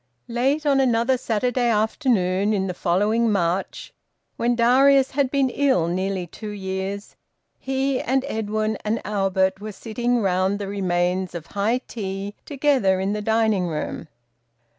Late on another Saturday afternoon in the following March, when Darius had been ill nearly two years, he and Edwin and Albert were sitting round the remains of high tea together in the dining room.